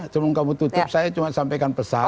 sebelum kamu tutup saya cuma sampaikan pesan